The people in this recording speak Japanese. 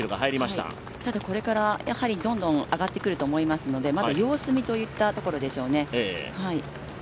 ただ、これからどんどん上がってくると思いますので、まだ様子見といったところでしょうね。